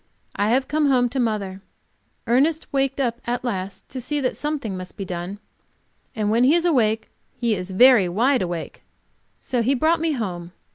I have come home to mother. Ernest waked up at last to see that something must be done, and when he is awake he is very wide awake. So he brought me home.